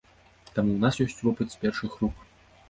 Таму ў нас ёсць вопыт з першых рук.